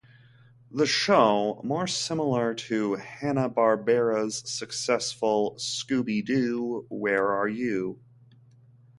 The show, more similar to Hanna-Barbera's successful Scooby-Doo, Where Are You!